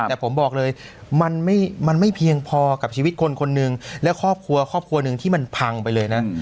แต่ผมบอกเลยมันไม่เพียงพอกับชีวิตคนคนหนึ่งและครอบครัวครอบครัวหนึ่งที่มันพังไปเลยนะ